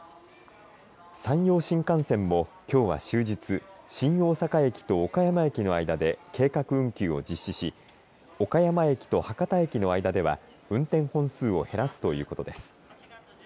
山陽新幹線もきょうは終日、新大阪駅と岡山駅の間で計画運休を実施し岡山駅と博多駅の間では運転本数を減らすということです。